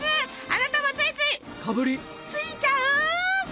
あなたもついつい「かぶり」ついちゃう？